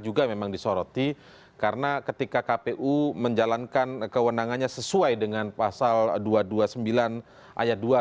juga memang disoroti karena ketika kpu menjalankan kewenangannya sesuai dengan pasal dua ratus dua puluh sembilan ayat dua